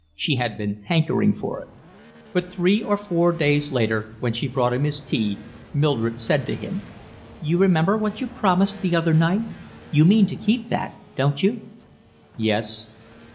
She had been hankering for it. But three or four days later, when she brought him his tea, Mildred said to him: "You remember what you promised the other night? You mean to keep that, don't you?" "Yes."